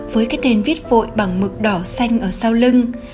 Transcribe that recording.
với cái tên viết vội bằng mực đỏ xanh ở sau lưng